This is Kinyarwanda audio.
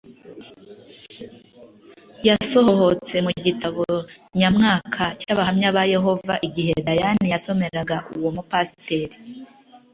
yasohohotse mu gitabo nyamwaka cy’abahamya ba yehova. igihe adaine yasomeraga uwo mupasiteri